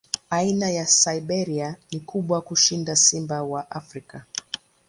Aina ya Siberia ni kubwa kushinda simba wa Afrika.